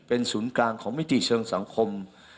เป็นศูนย์กลางของมิติเชิงสังคม